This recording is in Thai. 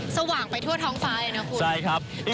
สว่างไปทั่วท้องฟ้าเลยนะคุณ